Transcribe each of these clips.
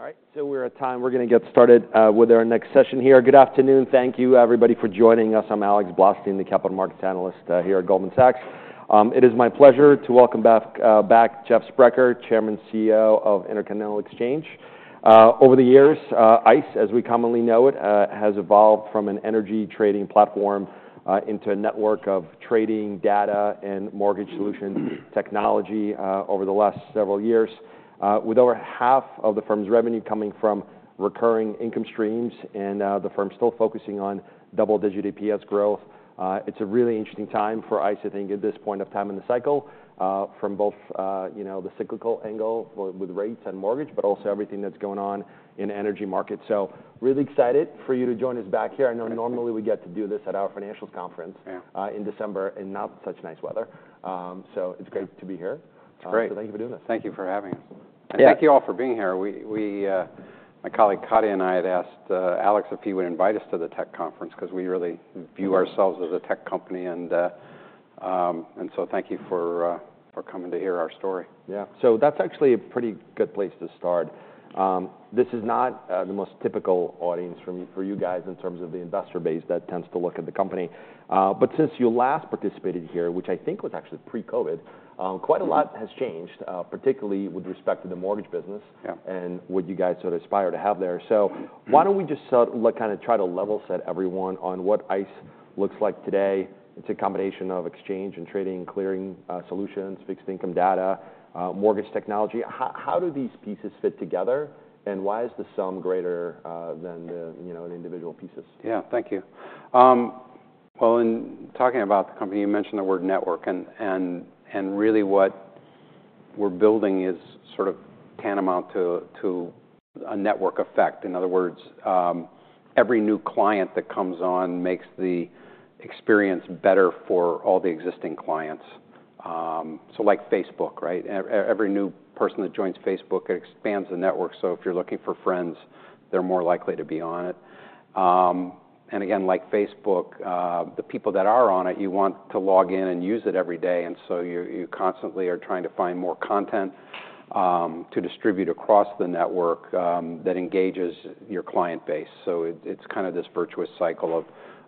All right, so we're at time. We're gonna get started with our next session here. Good afternoon. Thank you, everybody, for joining us. I'm Alex Blostein, the capital markets analyst here at Goldman Sachs. It is my pleasure to welcome back Jeff Sprecher, Chairman, CEO of Intercontinental Exchange. Over the years, ICE, as we commonly know it, has evolved from an energy trading platform into a network of trading data and mortgage solution technology over the last several years. With over half of the firm's revenue coming from recurring income streams, and the firm still focusing on double-digit EPS growth, it's a really interesting time for ICE, I think, at this point of time in the cycle, from both, you know, the cyclical angle with rates and mortgage, but also everything that's going on in energy markets. So really excited for you to join us back here. Thank you. I know normally we get to do this at our financials conference- Yeah... in December, and not such nice weather. So it's great to be here. It's great. Thank you for doing this. Thank you for having us. Yeah. Thank you all for being here. My colleague, Katia, and I had asked Alex if he would invite us to the tech conference, 'cause we really view ourselves as a tech company, and so thank you for coming to hear our story. Yeah. So that's actually a pretty good place to start. This is not the most typical audience for you guys in terms of the investor base that tends to look at the company. But since you last participated here, which I think was actually pre-COVID, quite a lot- Yeah... has changed, particularly with respect to the mortgage business- Yeah... and what you guys sort of aspire to have there. So why don't we just sort like kind of try to level set everyone on what ICE looks like today? It's a combination of exchange and trading, clearing, solutions, fixed income data, mortgage technology. How do these pieces fit together, and why is the sum greater than the, you know, individual pieces? Yeah. Thank you. Well, in talking about the company, you mentioned the word network, and really what we're building is sort of tantamount to a network effect. In other words, every new client that comes on makes the experience better for all the existing clients. So like Facebook, right? Every new person that joins Facebook, it expands the network, so if you're looking for friends, they're more likely to be on it. And again, like Facebook, the people that are on it, you want to log in and use it every day, and so you're constantly trying to find more content to distribute across the network that engages your client base. So it's kind of this virtuous cycle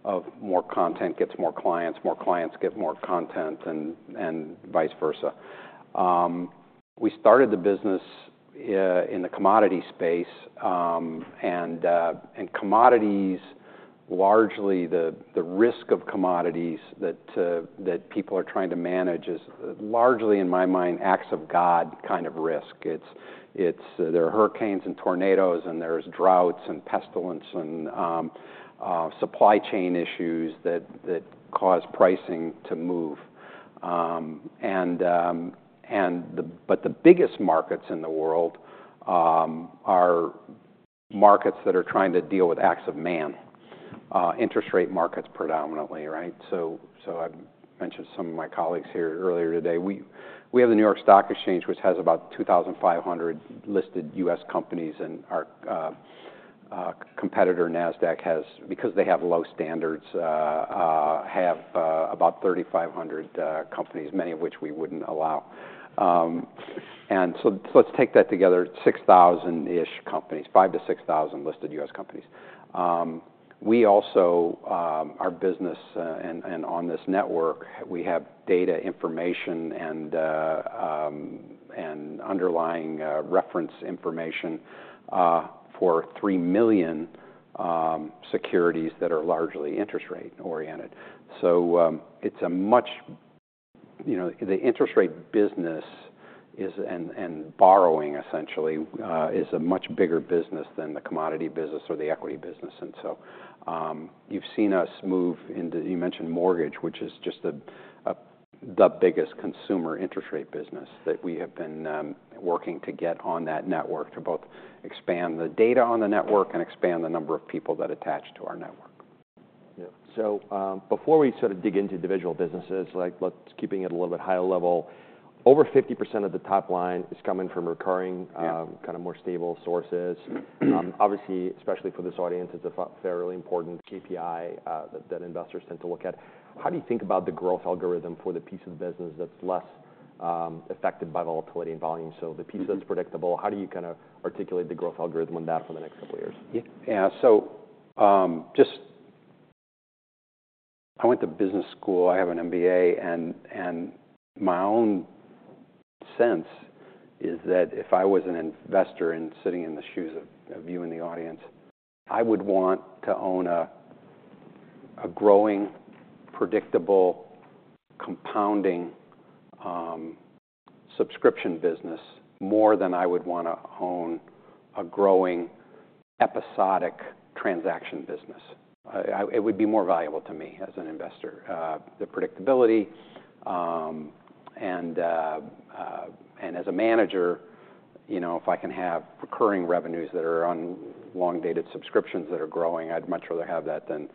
of more content gets more clients, more clients get more content, and vice versa. We started the business in the commodity space, and commodities, largely the risk of commodities that people are trying to manage is largely, in my mind, acts of God kind of risk. It's there are hurricanes and tornadoes, and there's droughts and pestilence and supply chain issues that cause pricing to move. But the biggest markets in the world are markets that are trying to deal with acts of man. Interest rate markets predominantly, right? So I've mentioned some of my colleagues here earlier today. We have the New York Stock Exchange, which has about 2,500 listed U.S. companies, and our competitor, Nasdaq, has, because they have low standards, about 3,500 companies, many of which we wouldn't allow. And so let's take that together, 6,000-ish companies, 5,000-6,000 listed U.S. companies. We also, our business and on this network, we have data information and underlying reference information for 3 million securities that are largely interest rate-oriented. It's much bigger. You know, the interest rate business and borrowing essentially is a much bigger business than the commodity business or the equity business. You've seen us move into. You mentioned mortgage, which is just the biggest consumer interest rate business that we have been working to get on that network to both expand the data on the network and expand the number of people that attach to our network. Yeah. So, before we sort of dig into individual businesses, like, let's keeping it a little bit high level, over 50% of the top line is coming from recurring- Yeah... kind of more stable sources. Obviously, especially for this audience, it's a fairly important KPI that investors tend to look at. How do you think about the growth algorithm for the piece of the business that's less affected by volatility and volume? So the piece that's predictable, how do you kind of articulate the growth algorithm on that for the next couple of years? Yeah, so, just I went to business school. I have an MBA, and my own sense is that if I was an investor and sitting in the shoes of you in the audience, I would want to own a growing, predictable, compounding subscription business more than I would want to own a growing, episodic transaction business. It would be more valuable to me as an investor. The predictability and as a manager, you know, if I can have recurring revenues that are on long-dated subscriptions that are growing, I'd much rather have that than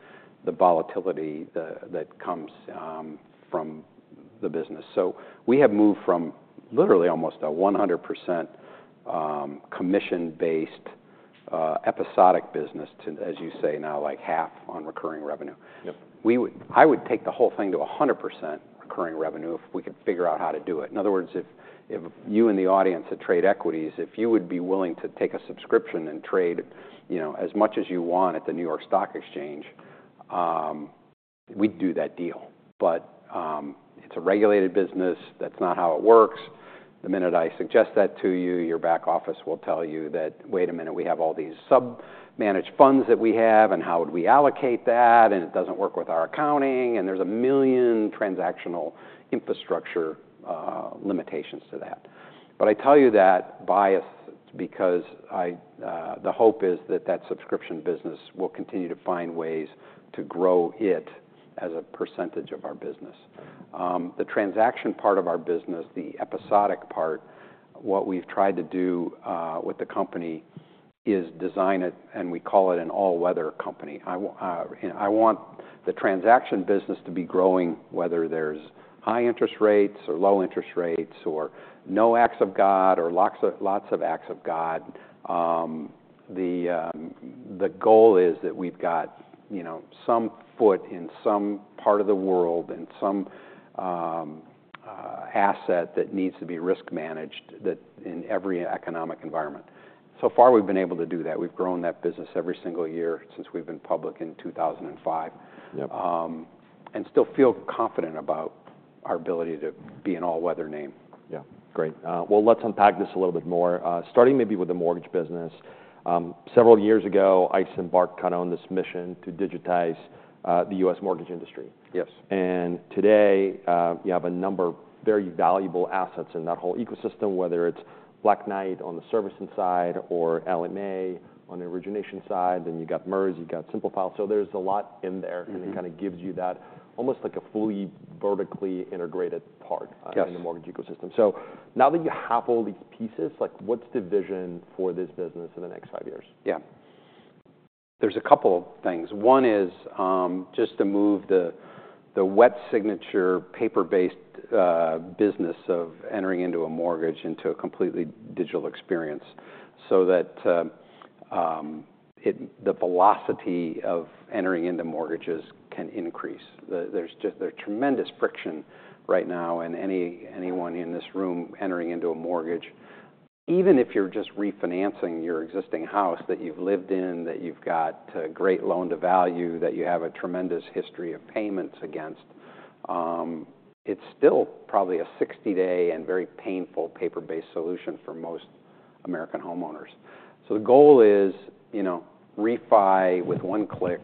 the volatility that comes from the business. So we have moved from literally almost a 100% commission-based episodic business to, as you say now, like half on recurring revenue. Yep. I would take the whole thing to 100% recurring revenue if we could figure out how to do it. In other words, if you and the audience that trade equities, if you would be willing to take a subscription and trade, you know, as much as you want at the New York Stock Exchange, we'd do that deal. But it's a regulated business. That's not how it works. The minute I suggest that to you, your back office will tell you that, "Wait a minute, we have all these sub-managed funds that we have, and how would we allocate that? And it doesn't work with our accounting," and there's a million transactional infrastructure limitations to that. But I tell you that bias because the hope is that subscription business will continue to find ways to grow it as a percentage of our business. The transaction part of our business, the episodic part, what we've tried to do with the company is design it, and we call it an all-weather company. And I want the transaction business to be growing, whether there's high interest rates or low interest rates, or no acts of God, or lots of, lots of acts of God. The goal is that we've got, you know, some foothold in some part of the world, and some asset that needs to be risk managed, that in every economic environment. So far, we've been able to do that. We've grown that business every single year since we've been public in 2005. Yep. And still feel confident about our ability to be an all-weather name. Yeah, great. Well, let's unpack this a little bit more, starting maybe with the mortgage business. Several years ago, ICE embarked kind of on this mission to digitize the U.S. mortgage industry. Yes. Today, you have a number of very valuable assets in that whole ecosystem, whether it's Black Knight on the servicing side or Ellie Mae on the origination side, then you've got MERS, you've got Simplifile. So there's a lot in there- Mm-hmm. and it kind of gives you that almost like a fully vertically integrated part. Yes... in the mortgage ecosystem. So now that you have all these pieces, like, what's the vision for this business in the next five years? Yeah. There's a couple of things. One is just to move the wet signature, paper-based business of entering into a mortgage into a completely digital experience so that the velocity of entering into mortgages can increase. There's just tremendous friction right now, and anyone in this room entering into a mortgage, even if you're just refinancing your existing house that you've lived in, that you've got a great loan-to-value, that you have a tremendous history of payments against, it's still probably a 60 day and very painful paper-based solution for most American homeowners. So the goal is, you know, refi with one click.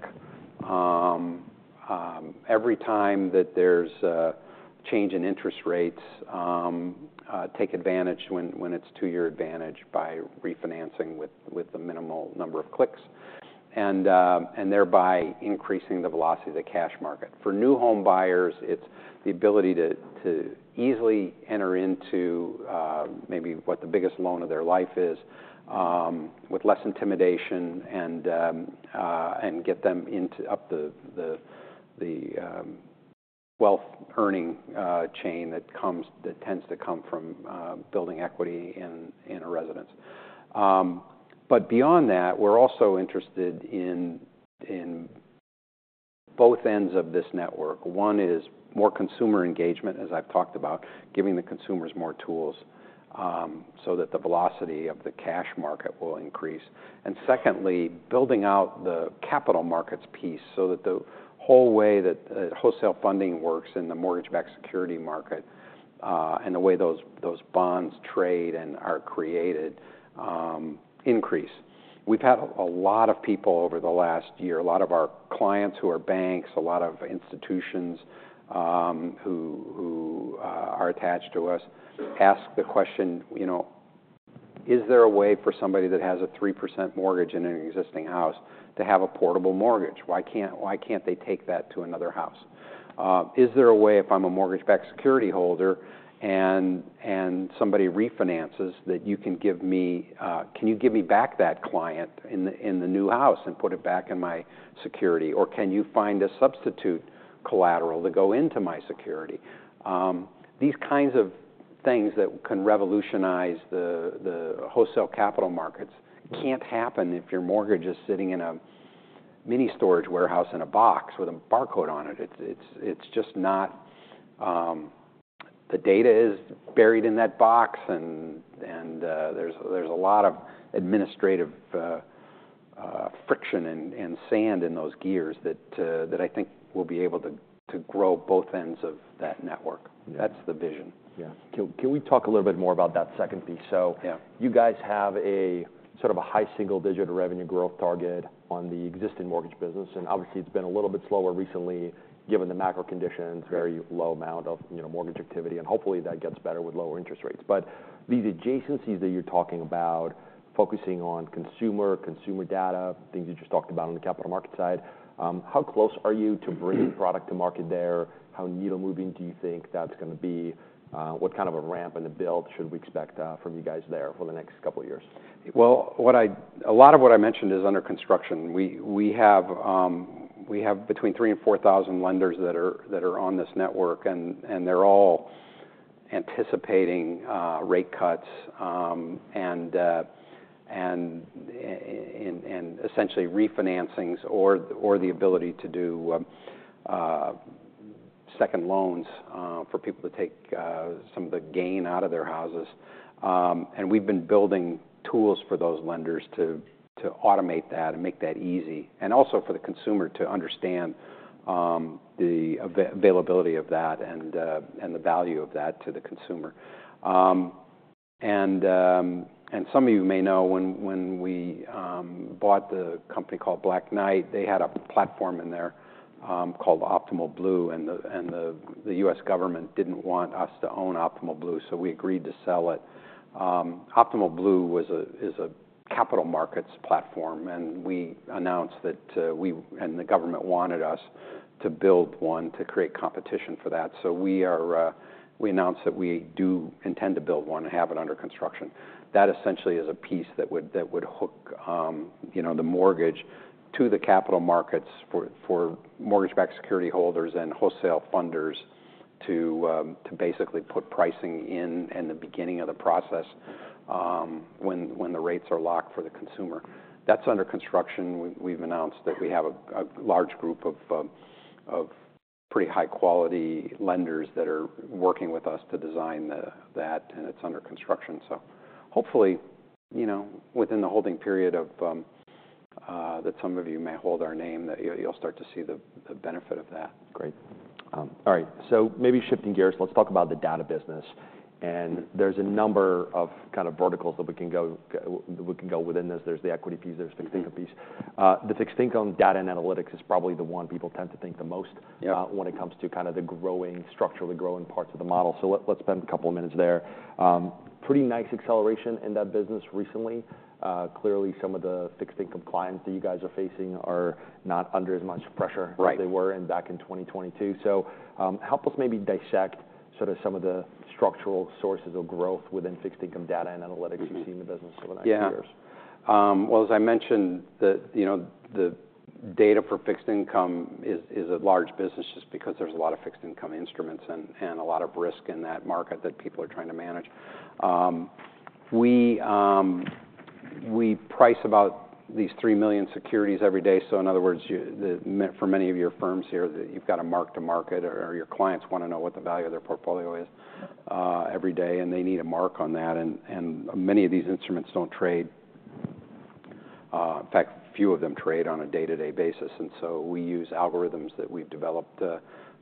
Every time that there's a change in interest rates, take advantage when it's to your advantage by refinancing with a minimal number of clicks, and thereby increasing the velocity of the cash market. For new home buyers, it's the ability to easily enter into maybe what the biggest loan of their life is, with less intimidation and get them into the wealth-earning chain that tends to come from building equity in a residence. But beyond that, we're also interested in both ends of this network. One is more consumer engagement, as I've talked about, giving the consumers more tools, so that the velocity of the cash market will increase. And secondly, building out the capital markets piece so that the whole way that wholesale funding works in the mortgage-backed security market, and the way those bonds trade and are created, increase. We've had a lot of people over the last year, a lot of our clients who are banks, a lot of institutions, who are attached to us, ask the question, you know: "Is there a way for somebody that has a 3% mortgage in an existing house to have a portable mortgage? Why can't they take that to another house? Is there a way, if I'm a mortgage-backed security holder and somebody refinances, that you can give me... Can you give me back that client in the new house and put it back in my security, or can you find a substitute collateral to go into my security?" These kinds of things that can revolutionize the wholesale capital markets can't happen if your mortgage is sitting in a mini storage warehouse in a box with a barcode on it. It's just not. The data is buried in that box, and there's a lot of administrative friction and sand in those gears that I think we'll be able to grow both ends of that network. Yeah. That's the vision. Yeah. Can we talk a little bit more about that second piece? Yeah. So you guys have a sort of a high single-digit revenue growth target on the existing mortgage business, and obviously, it's been a little bit slower recently, given the macro conditions- Right... very low amount of, you know, mortgage activity, and hopefully, that gets better with lower interest rates. But these adjacencies that you're talking about, focusing on consumer, consumer data, things you just talked about on the capital market side, how close are you to bringing product to market there? How needle-moving do you think that's going to be? What kind of a ramp and the build should we expect, from you guys there for the next couple of years? A lot of what I mentioned is under construction. We have between 3000-4000 lenders that are on this network, and they're all anticipating rate cuts, and essentially refinancings or the ability to do second loans for people to take some of the gain out of their houses. We've been building tools for those lenders to automate that and make that easy, and also for the consumer to understand the availability of that and the value of that to the consumer. And some of you may know, when we bought the company called Black Knight, they had a platform in there called Optimal Blue, and the U.S. government didn't want us to own Optimal Blue, so we agreed to sell it. Optimal Blue was a-- is a capital markets platform, and we announced that, and the government wanted us to build one to create competition for that. So we are, we announced that we do intend to build one and have it under construction. That essentially is a piece that would hook, you know, the mortgage to the capital markets for mortgage-backed security holders and wholesale funders to basically put pricing in the beginning of the process, when the rates are locked for the consumer. That's under construction. We've announced that we have a large group of pretty high-quality lenders that are working with us to design that, and it's under construction. So hopefully, you know, within the holding period of that some of you may hold our name, that you'll start to see the benefit of that. Great. All right, so maybe shifting gears, let's talk about the data business, and there's a number of kind of verticals that we can go within this. There's the equity piece, there's the fixed income piece. Mm-hmm. The fixed income data and analytics is probably the one people tend to think the most- Yeah When it comes to kind of the growing, structurally growing parts of the model. So let's spend a couple of minutes there. Pretty nice acceleration in that business recently. Clearly, some of the fixed income clients that you guys are facing are not under as much pressure. Right -as they were back in 2022. So, help us maybe dissect sort of some of the structural sources of growth within fixed income data and analytics- Mm-hmm We've seen in the business over the next few years. Yeah. Well, as I mentioned, the, you know, the data for fixed income is a large business just because there's a lot of fixed income instruments and a lot of risk in that market that people are trying to manage. We price about these 3 million securities every day. So in other words, you-- the-- for many of your firms here, that you've got to mark to market, or your clients want to know what the value of their portfolio is every day, and they need a mark on that. And many of these instruments don't trade. In fact, few of them trade on a day-to-day basis, and so we use algorithms that we've developed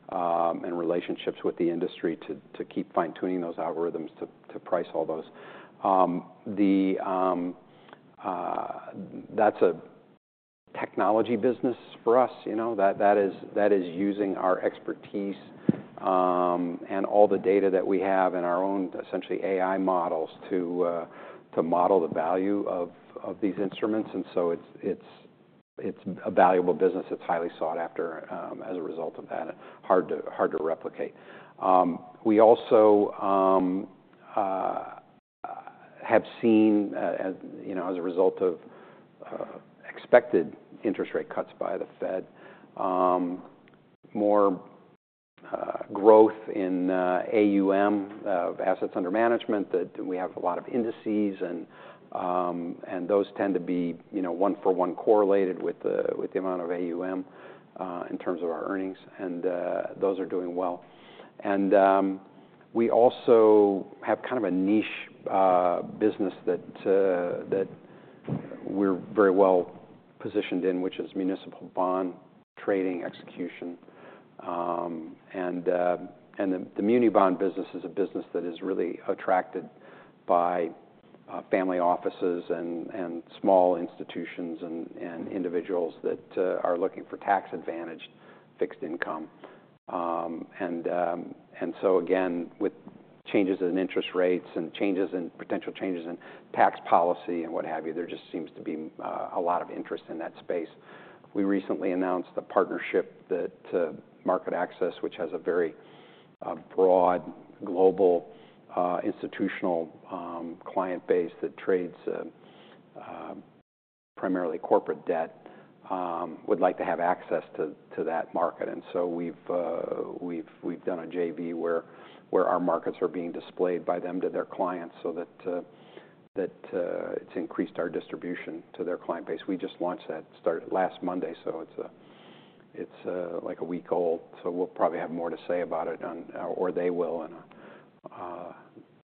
and relationships with the industry to keep fine-tuning those algorithms to price all those. The... That's a technology business for us. You know, that is using our expertise, and all the data that we have in our own, essentially, AI models to model the value of these instruments. And so it's a valuable business that's highly sought after, as a result of that, and hard to replicate. We also have seen, as you know, as a result of expected interest rate cuts by the Fed, more growth in AUM, assets under management, that we have a lot of indices and those tend to be, you know, one-for-one correlated with the amount of AUM in terms of our earnings, and those are doing well. We also have kind of a niche business that we're very well-positioned in, which is municipal bond trading execution. The muni bond business is a business that is really attracted by family offices and small institutions and individuals that are looking for tax-advantaged fixed income, and so again, with changes in interest rates and potential changes in tax policy and what have you, there just seems to be a lot of interest in that space. We recently announced a partnership that MarketAxess, which has a very broad, global, institutional client base that trades primarily corporate debt, would like to have access to that market. And so we've done a JV where our markets are being displayed by them to their clients so that it's increased our distribution to their client base. We just launched that, started last Monday, so it's like a week old, so we'll probably have more to say about it on... or they will. In our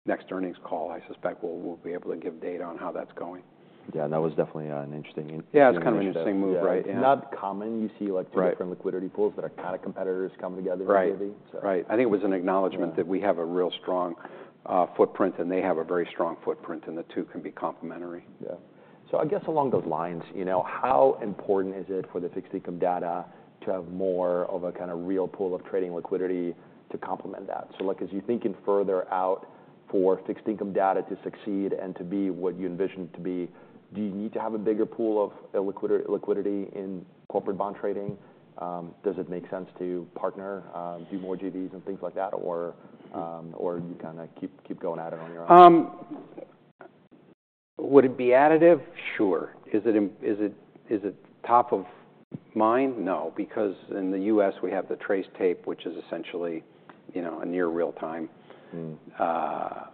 next earnings call, I suspect we'll be able to give data on how that's going. Yeah, that was definitely an interesting- Yeah, it's kind of an interesting move, right? Yeah. Not common. Right. You see, like, two different liquidity pools that are kind of competitors come together- Right in a JV, so. Right. I think it was an acknowledgment- Yeah -that we have a real strong footprint, and they have a very strong footprint, and the two can be complementary. Yeah, so I guess along those lines, you know, how important is it for the fixed income data to have more of a kind of real pool of trading liquidity to complement that? So, like, as you're thinking further out for fixed income data to succeed and to be what you envision it to be, do you need to have a bigger pool of liquidity in corporate bond trading? Does it make sense to partner, do more JVs and things like that, or you kind of keep going at it on your own?... Would it be additive? Sure. Is it top of mind? No, because in the U.S., we have the TRACE tape, which is essentially, you know, a near real time- Mm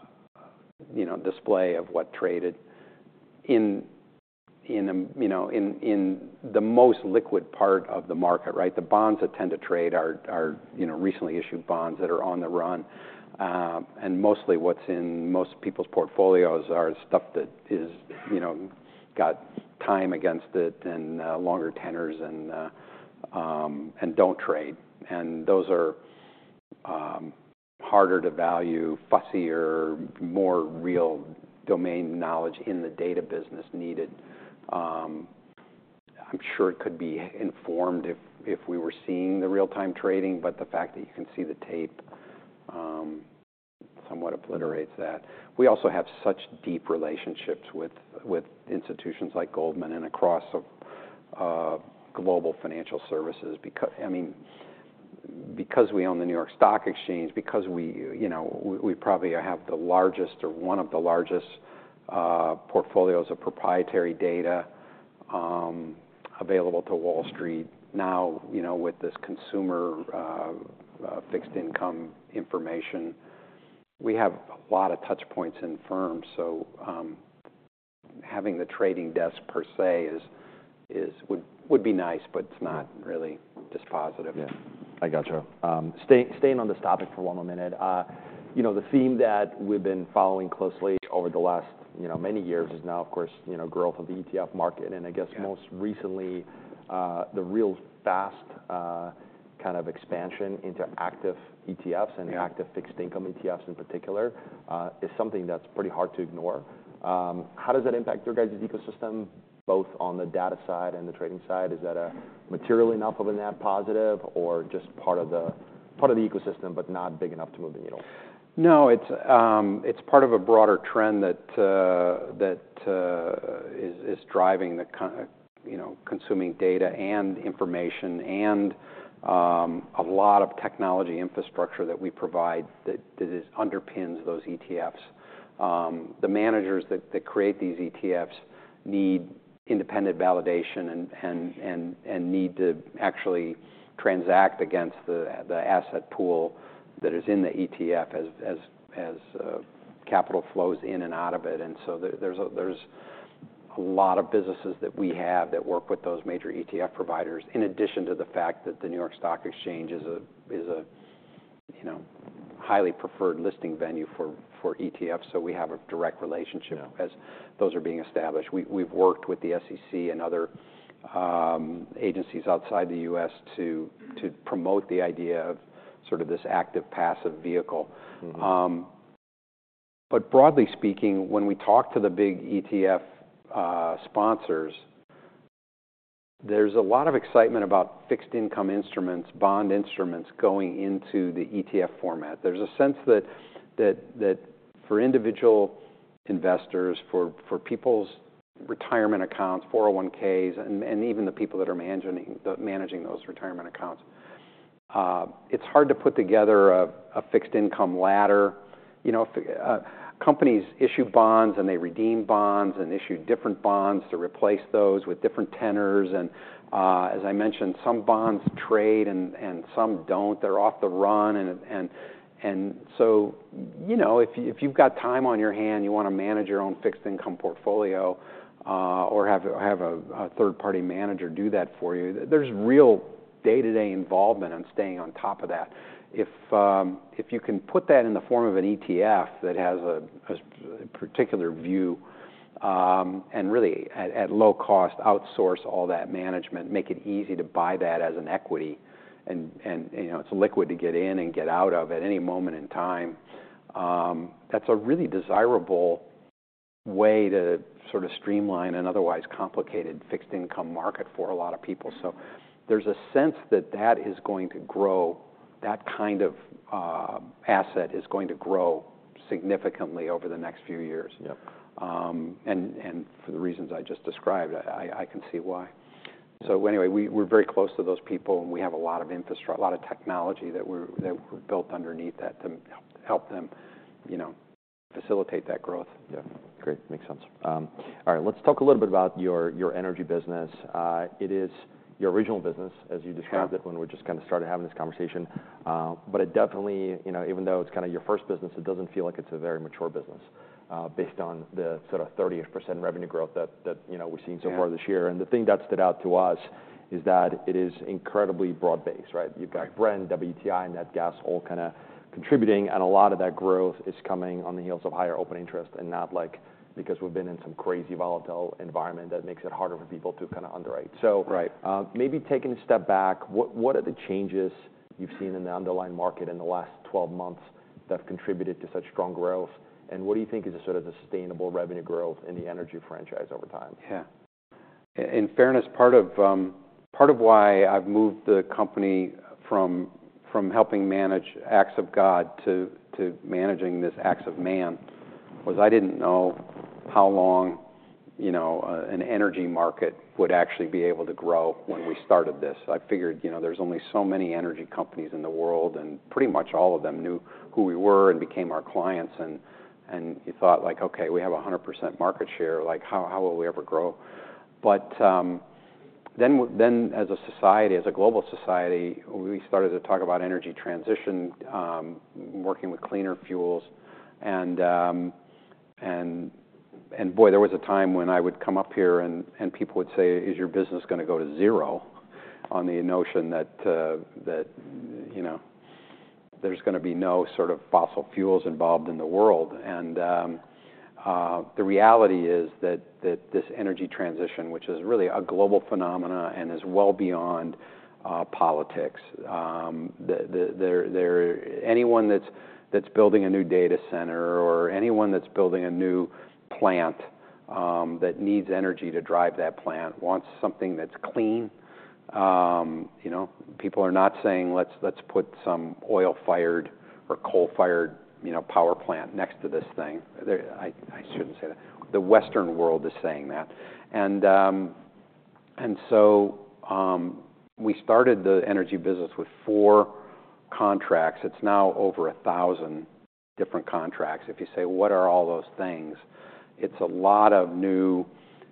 you know, display of what traded in the most liquid part of the market, right? The bonds that tend to trade are recently issued bonds that are on the run. And mostly what's in most people's portfolios are stuff that is, you know, got time against it and longer tenors and don't trade. And those are harder to value, fussier, more real domain knowledge in the data business needed. I'm sure it could be informed if we were seeing the real-time trading, but the fact that you can see the tape somewhat obliterates that. We also have such deep relationships with institutions like Goldman and across global financial services. I mean, because we own the New York Stock Exchange, because we, you know, probably have the largest or one of the largest portfolios of proprietary data available to Wall Street. Now, you know, with this consumer fixed income information, we have a lot of touchpoints in firms. So, having the trading desk per se would be nice, but it's not really dispositive. Yeah, I gotcha. Staying on this topic for one more minute. You know, the theme that we've been following closely over the last, you know, many years is now, of course, you know, growth of the ETF market. Yeah. And I guess most recently, the real fast, kind of expansion into active ETFs- Yeah -and active fixed income ETFs in particular is something that's pretty hard to ignore. How does that impact your guys' ecosystem, both on the data side and the trading side? Is that a materially enough of a net positive or just part of the ecosystem, but not big enough to move the needle? No, it's part of a broader trend that is driving the kind... You know, consuming data and information and a lot of technology infrastructure that we provide, that is underpins those ETFs. The managers that create these ETFs need independent validation and need to actually transact against the asset pool that is in the ETF as capital flows in and out of it. And so there's a lot of businesses that we have that work with those major ETF providers, in addition to the fact that the New York Stock Exchange is a you know, highly preferred listing venue for ETFs. So we have a direct relationship- Yeah -as those are being established. We, we've worked with the SEC and other agencies outside the U.S. to promote the idea of sort of this active, passive vehicle. Mm-hmm. But broadly speaking, when we talk to the big ETF sponsors, there's a lot of excitement about fixed income instruments, bond instruments, going into the ETF format. There's a sense that for individual investors, for people's retirement accounts, 401(k)s, and even the people that are managing those retirement accounts, it's hard to put together a fixed income ladder. You know, companies issue bonds, and they redeem bonds and issue different bonds to replace those with different tenors. And as I mentioned, some bonds trade and some don't. They're off the run. And so, you know, if you've got time on your hands, you want to manage your own fixed income portfolio, or have a third-party manager do that for you, there's real day-to-day involvement in staying on top of that. If you can put that in the form of an ETF that has a particular view, and really at low cost, outsource all that management, make it easy to buy that as an equity and, you know, it's liquid to get in and get out of at any moment in time, that's a really desirable way to sort of streamline an otherwise complicated fixed income market for a lot of people. So there's a sense that that is going to grow, that kind of asset is going to grow significantly over the next few years. Yep. And for the reasons I just described, I can see why. So anyway, we're very close to those people, and we have a lot of technology that we're built underneath that to help them, you know, facilitate that growth. Yeah. Great, makes sense. All right, let's talk a little bit about your, your energy business. It is your original business, as you described it- Yeah... when we just kind of started having this conversation, but it definitely, you know, even though it's kind of your first business, it doesn't feel like it's a very mature business, based on the sort of 30% revenue growth that, you know, we've seen so far- Yeah... this year, and the thing that stood out to us is that it is incredibly broad-based, right? Right. You've got Brent, WTI, and nat gas all kind of contributing, and a lot of that growth is coming on the heels of higher open interest, and not like because we've been in some crazy, volatile environment that makes it harder for people to kind of underwrite. Right. Maybe taking a step back, what are the changes you've seen in the underlying market in the last 12 months that contributed to such strong growth? And what do you think is the sort of sustainable revenue growth in the energy franchise over time? Yeah. In fairness, part of why I've moved the company from helping manage acts of God to managing this acts of man, was I didn't know how long you know an energy market would actually be able to grow when we started this. I figured, you know, there's only so many energy companies in the world, and pretty much all of them knew who we were and became our clients, and you thought, like, "Okay, we have 100% market share, like, how will we ever grow?" But then as a society, as a global society, we started to talk about energy transition, working with cleaner fuels. And boy, there was a time when I would come up here and people would say: Is your business gonna go to zero? On the notion that, you know, there's gonna be no sort of fossil fuels involved in the world. The reality is that this energy transition, which is really a global phenomenon and is well beyond politics, anyone that's building a new data center or anyone that's building a new plant that needs energy to drive that plant, wants something that's clean. You know, people are not saying, "Let's put some oil-fired or coal-fired, you know, power plant next to this thing." They. I shouldn't say that. The Western world is saying that. We started the energy business with four contracts. It's now over a thousand different contracts. If you say, "What are all those things?" It's a lot of new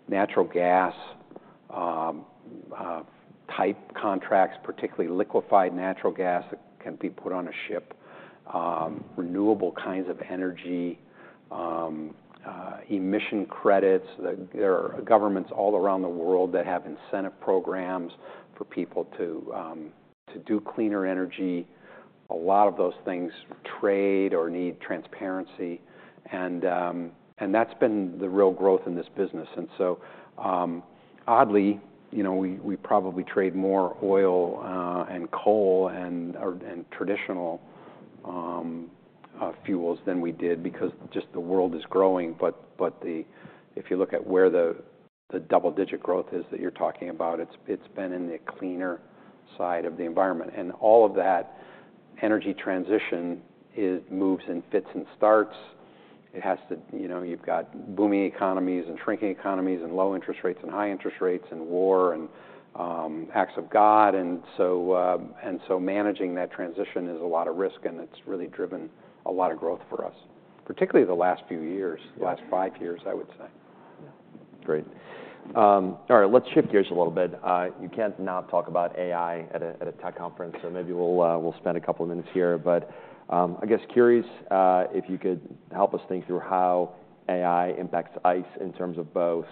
natural gas type contracts, particularly liquefied natural gas that can be put on a ship, renewable kinds of energy, emission credits. There are governments all around the world that have incentive programs for people to do cleaner energy. A lot of those things trade or need transparency, and that's been the real growth in this business. And so, oddly, you know, we probably trade more oil and coal and or and traditional fuels than we did because just the world is growing. But if you look at where the double-digit growth is that you're talking about, it's been in the cleaner side of the environment. And all of that energy transition, it moves in fits and starts. It has to... You know, you've got booming economies and shrinking economies, and low interest rates and high interest rates, and war, and, acts of God. And so, managing that transition is a lot of risk, and it's really driven a lot of growth for us, particularly the last few years. Yeah. the last five years, I would say. Great. All right, let's shift gears a little bit. You can't not talk about AI at a tech conference, so maybe we'll spend a couple of minutes here. But, I'm curious if you could help us think through how AI impacts ICE in terms of both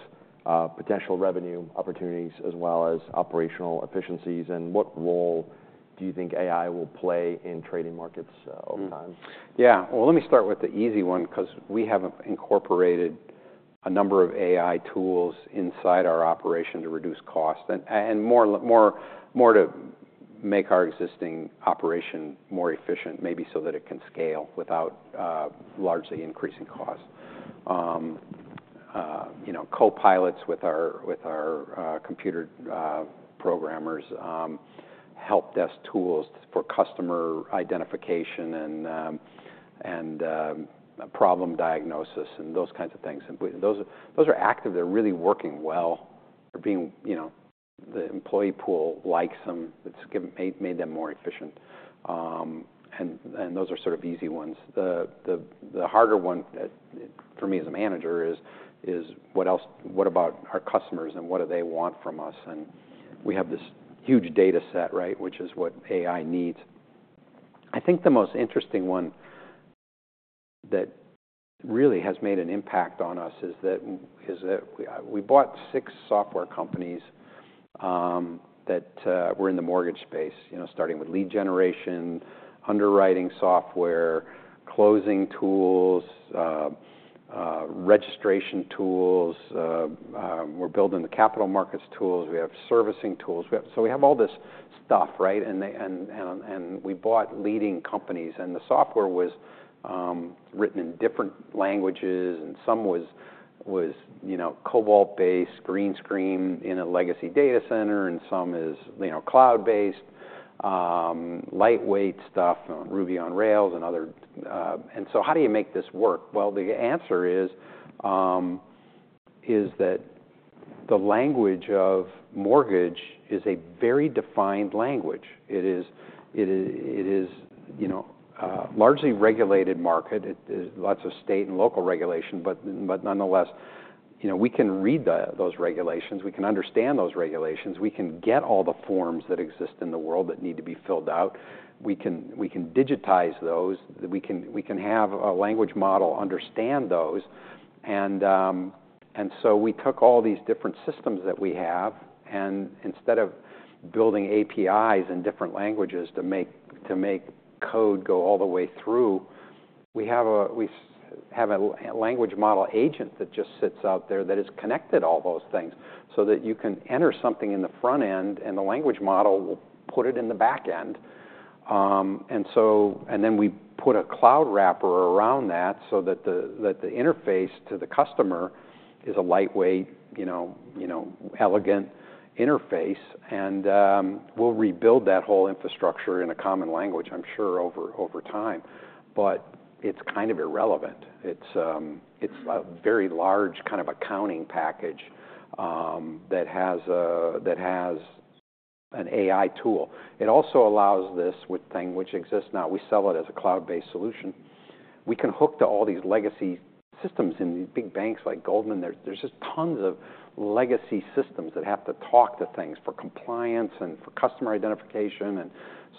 potential revenue opportunities as well as operational efficiencies, and what role do you think AI will play in trading markets over time? Yeah. Let me start with the easy one 'cause we have incorporated a number of AI tools inside our operation to reduce cost and more to make our existing operation more efficient, maybe so that it can scale without largely increasing cost. You know, co-pilots with our computer programmers, help desk tools for customer identification, and problem diagnosis, and those kinds of things. And those are active. They're really working well. You know, the employee pool likes them. It's made them more efficient. And those are sort of easy ones. The harder one for me as a manager is what about our customers and what do they want from us? And we have this huge data set, right, which is what AI needs. I think the most interesting one that really has made an impact on us is that we bought six software companies that were in the mortgage space. You know, starting with lead generation, underwriting software, closing tools, registration tools, we're building the capital markets tools, we have servicing tools. We have so we have all this stuff, right? And we bought leading companies, and the software was written in different languages, and some was, you know, COBOL-based, green screen in a legacy data center, and some is, you know, cloud-based, lightweight stuff, Ruby on Rails and other. And so how do you make this work? The answer is, is that the language of mortgage is a very defined language. It is, you know, a largely regulated market. It is lots of state and local regulation, but nonetheless, you know, we can read the, those regulations, we can understand those regulations, we can get all the forms that exist in the world that need to be filled out. We can digitize those, we can have a language model understand those. And so we took all these different systems that we have, and instead of building APIs in different languages to make code go all the way through, we have a language model agent that just sits out there, that has connected all those things, so that you can enter something in the front end, and the language model will put it in the back end. And then we put a cloud wrapper around that so that the interface to the customer is a lightweight, you know, elegant interface. And we'll rebuild that whole infrastructure in a common language, I'm sure, over time, but it's kind of irrelevant. It's a very large kind of accounting package that has an AI tool. It also allows this with thing which exists now. We sell it as a cloud-based solution. We can hook to all these legacy systems in these big banks like Goldman. There, there's just tons of legacy systems that have to talk to things for compliance and for customer identification, and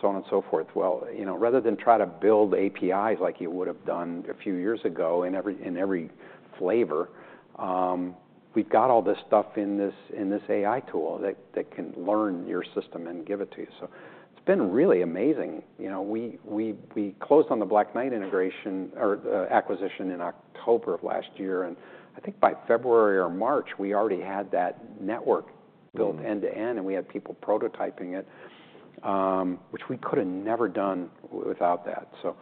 so on and so forth. Well, you know, rather than try to build APIs like you would have done a few years ago in every flavor, we've got all this stuff in this AI tool that can learn your system and give it to you. So it's been really amazing. You know, we closed on the Black Knight integration or acquisition in October of last year, and I think by February or March, we already had that network built- Mm... end-to-end, and we had people prototyping it, which we could have never done without that. So,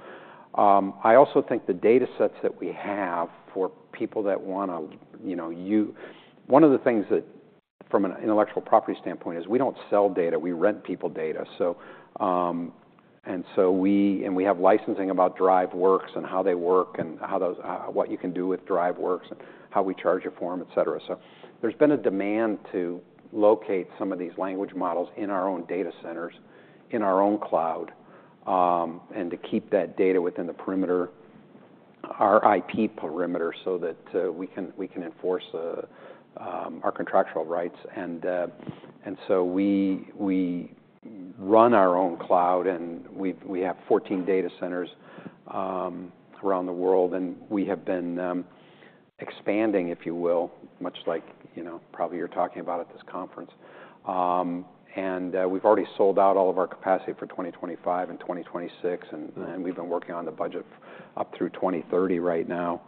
I also think the data sets that we have for people that wanna, you know, one of the things that from an intellectual property standpoint is we don't sell data, we rent people data. So, and so we and we have licensing about Derived Works, and how they work, and how those what you can do with Derived Works, and how we charge you for them, et cetera. So there's been a demand to locate some of these language models in our own data centers, in our own cloud, and to keep that data within the perimeter, our IP perimeter, so that we can, we can enforce our contractual rights. And so we run our own cloud, and we have 14 data centers around the world, and we have been expanding, if you will, much like, you know, probably you're talking about at this conference. We've already sold out all of our capacity for 2025 and 2026, and we've been working on the budget up through 2030 right now.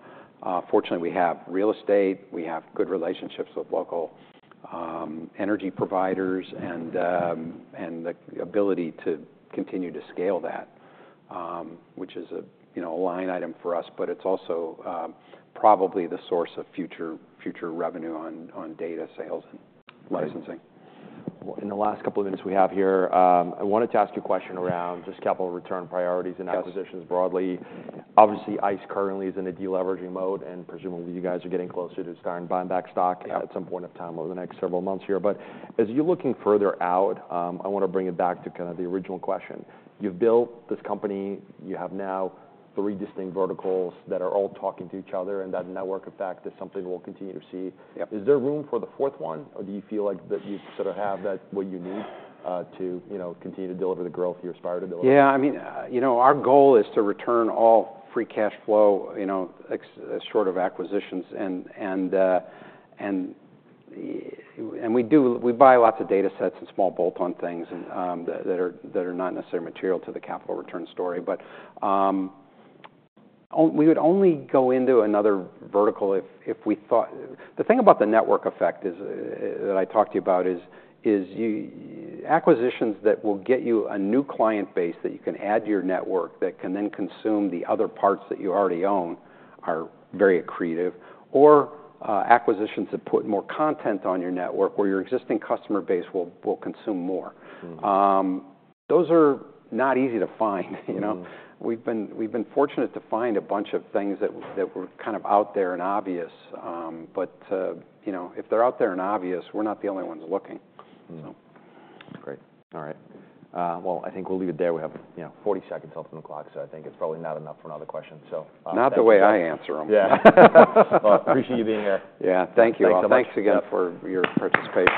Fortunately, we have real estate, we have good relationships with local energy providers, and the ability to continue to scale that, which is, you know, a line item for us, but it's also probably the source of future revenue on data sales and licensing. In the last couple of minutes we have here, I wanted to ask you a question around just capital return priorities. Yeah... and acquisitions broadly. Obviously, ICE currently is in a deleveraging mode, and presumably, you guys are getting closer to starting buyback stock- Yeah... at some point of time over the next several months here. But as you're looking further out, I wanna bring it back to kind of the original question. You've built this company. You have now three distinct verticals that are all talking to each other, and that network effect is something we'll continue to see. Yeah. Is there room for the fourth one, or do you feel like that you sort of have that, what you need, to you know continue to deliver the growth you aspire to deliver? Yeah, I mean, you know, our goal is to return all free cash flow, you know, except short of acquisitions. We buy lots of data sets and small bolt-on things that are not necessarily material to the capital return story. But we would only go into another vertical if we thought the thing about the network effect that I talked to you about is acquisitions that will get you a new client base, that you can add to your network, that can then consume the other parts that you already own, are very accretive. Or acquisitions that put more content on your network, where your existing customer base will consume more. Mm. Those are not easy to find, you know? Mm. We've been fortunate to find a bunch of things that were kind of out there and obvious. But you know, if they're out there and obvious, we're not the only ones looking. Mm. So. That's great. All right. Well, I think we'll leave it there. We have, you know, 40 seconds left on the clock, so I think it's probably not enough for another question, so, Not the way I answer them. Yeah. Well, appreciate you being here. Yeah. Thank you. Thanks so much. Thanks again for your participation.